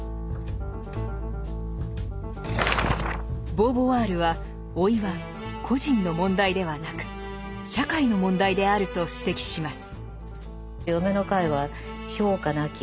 ボーヴォワールは老いは個人の問題ではなく社会の問題であると指摘します。